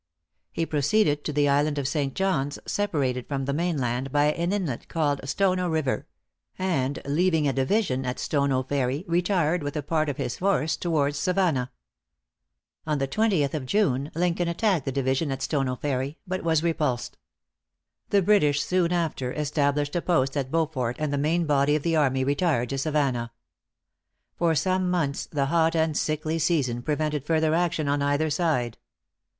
He proceeded to the island of St. John's, separated from the mainland by an inlet called Stono River; and leaving a division at Stono Ferry, retired with a part of his force towards Savannah. On the 20th of June, Lincoln attacked the division at Stono Ferry, but was repulsed. The British soon after established a post at Beaufort, and the main body of the army retired to Savannah. For some months the hot and sickly season prevented further action on either side.